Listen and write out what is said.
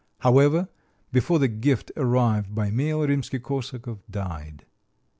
However, before the gift arrived by mail Rimsky Korsakov died.